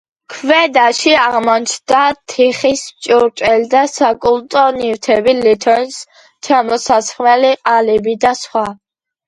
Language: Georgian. ქვედაში აღმოჩნდა თიხის ჭურჭელი და საკულტო ნივთები ლითონის ჩამოსასხმელი ყალიბი და სხვა.